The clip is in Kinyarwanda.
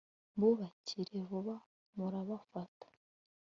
mubakurikire vuba, murabafata